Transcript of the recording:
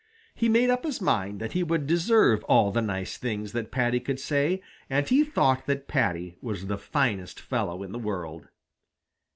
He made up his mind that he would deserve all the nice things that Paddy could say, and he thought that Paddy was the finest fellow in the world.